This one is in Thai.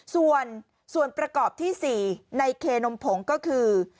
ส่วนประกอบที่๔ในเคนมผงก็คือ